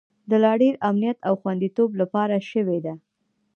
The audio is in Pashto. د لا ډیر امنیت او خوندیتوب لپاره شوې ده